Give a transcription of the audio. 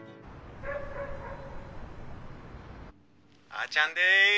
あちゃんです！